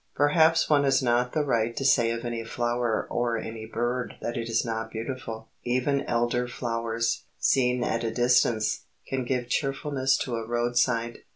Perhaps one has not the right to say of any flower or any bird that it is not beautiful Even elder flowers, seen at a distance, can give cheerfulness to a roadside.